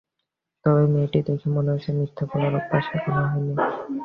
তবে মেয়েটিকে দেখে মনে হচ্ছে মিথ্যা বলার অভ্যাস এখনো হয় নি।